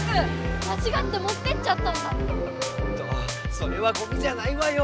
それはゴミじゃないわよ！